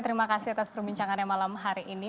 terima kasih atas perbincangannya malam hari ini